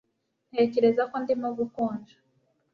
Ntekereza ko ndimo gukonja